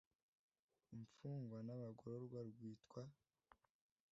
Imfungwa n Abagororwa rwitwa